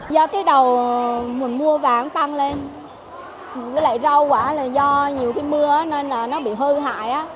do cái đầu mua vàng tăng lên với lại rau quá là do nhiều cái mưa nên là nó bị hơi hại